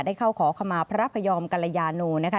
ได้เข้าขอคำมาพระพระยอมกัลยานูนะคะ